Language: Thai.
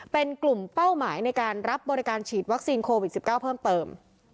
เป็นกลุ่มเป้าหมายในการรับบริการฉีดวัคซีนโควิด๑๙เพิ่มเติม